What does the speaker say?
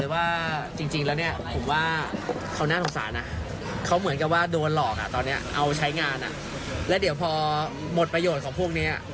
เอาใช้งานอ่ะแล้วเดี๋ยวพอหมดประโยชน์ของพวกนี้อ่ะ